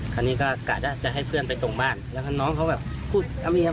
คราวนี้ก็กะว่าจะให้เพื่อนไปส่งบ้านแล้วก็น้องเขาแบบพูดเอามีครับ